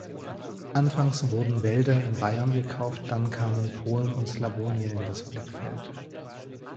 Anfangs wurden Wälder in Bayern gekauft, dann kamen Polen und Slawonien in das Blickfeld.